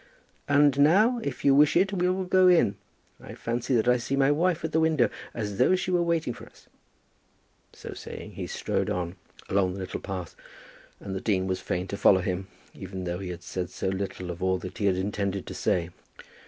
"And now, if you wish it, we will go in. I fancy that I see my wife at the window, as though she were waiting for us." So saying, he strode on along the little path, and the dean was fain to follow him, even though he had said so little of all that he had intended to say.